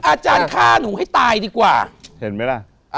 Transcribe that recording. อาจารย์ฆ่าหนูให้ตายดีกว่าเห็นไหมล่ะ